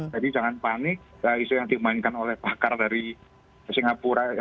jadi jangan panik isu yang dimainkan oleh pakar dari singapura